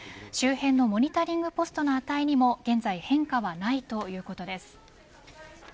周辺のモニタリングポストの値にも現在、変化はないそうです。